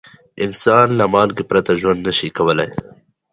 انسان له مالګې پرته ژوند نه شي کولای.